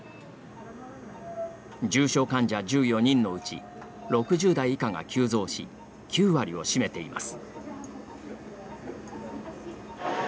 重症患者１４人のうち６０代以下が急増し９割を占めています。